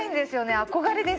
憧れです。